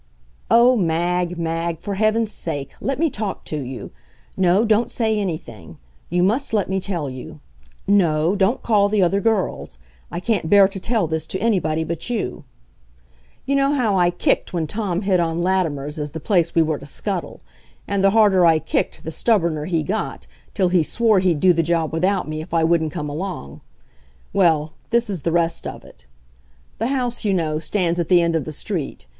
III. Oh, Mag, Mag, for heaven's sake, let me talk to you! No, don't say anything. You must let me tell you. No don't call the other girls. I can't bear to tell this to anybody but you. You know how I kicked when Tom hit on Latimer's as the place we were to scuttle. And the harder I kicked the stubborner he got, till he swore he'd do the job without me if I wouldn't come along. Well this is the rest of it. The house, you know, stands at the end of the street.